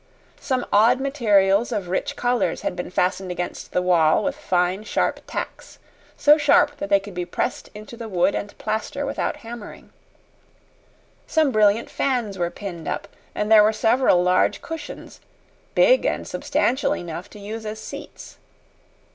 Some odd materials of rich colors had been fastened against the wall with fine, sharp tacks so sharp that they could be pressed into the wood and plaster without hammering. Some brilliant fans were pinned up, and there were several large cushions, big and substantial enough to use as seats.